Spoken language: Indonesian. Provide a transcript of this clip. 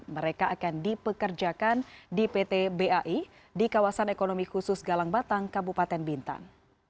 mereka akan dipekerjakan di pt bai di kawasan ekonomi khusus galang batang kabupaten bintan